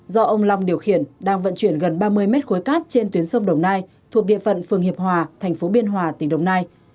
do ông long điều khiển đang vận chuyển gần ba mươi mét khối cát trên tuyến sông đồng nai thuộc địa phận phường hiệp hòa thành phố biên hòa tỉnh đồng nai